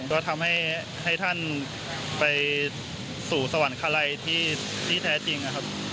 ก็ทำให้ท่านไปสู่สวรรคาลัยที่แท้จริงนะครับ